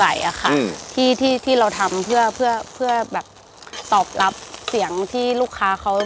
อะค่ะที่ที่ที่เราทำเพื่อเพื่อแบบตอบรับเสียงที่ลูกค้าเขา